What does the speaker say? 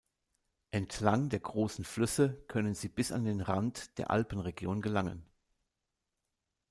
Entlang der großen Flüsse können sie bis an den Rand der Alpenregion gelangen.